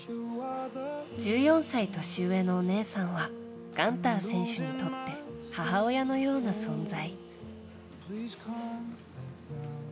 １４歳年上のお姉さんはガンター選手にとって母親のような存在。